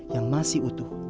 yang masih utuh